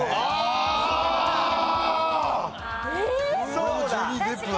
そうだ！